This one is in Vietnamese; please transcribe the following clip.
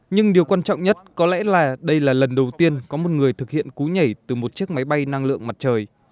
nhưng điều quan trọng nhất có lẽ là đây là lần đầu tiên có một người thực hiện cú nhảy từ một chiếc máy bay năng lượng mặt trời